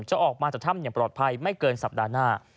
จะออกมาจากถ้ำอย่างปลอดภัยไม่เกินสัปดาห์หน้า